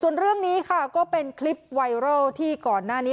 ส่วนเรื่องนี้ค่ะก็เป็นคลิปไวรัลที่ก่อนหน้านี้